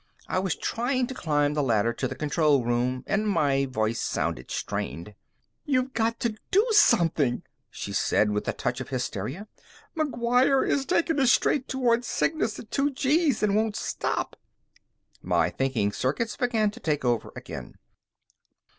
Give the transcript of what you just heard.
I was trying to climb the ladder to the control room, and my voice sounded strained. "You've got to do something!" she said with a touch of hysteria. "McGuire is taking us straight toward Cygnus at two gees and won't stop." My thinking circuits began to take over again.